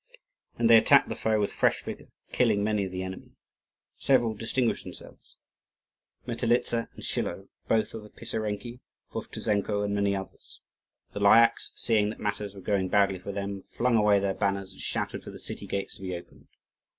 And they attacked the foe with fresh vigour killing many of the enemy. Several distinguished themselves Metelitza and Schilo, both of the Pisarenki, Vovtuzenko, and many others. The Lyakhs seeing that matters were going badly for them flung away their banners and shouted for the city gates to be opened.